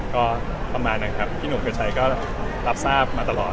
ก็ประมาณนั้นครับที่หนูเครือใช้ก็ลับทราบมาตลอด